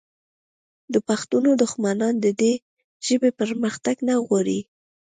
د پښتنو دښمنان د دې ژبې پرمختګ نه غواړي